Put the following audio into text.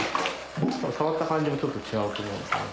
触った感じもちょっと違うと思うんですね。